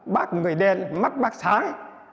bác người đen mắt bác sáng